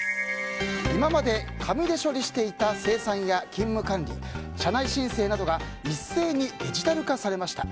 今まで紙で処理していた精算や勤務管理、社内申請などが一斉にデジタル化されました。